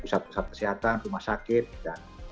pusat pusat kesehatan rumah sakit dan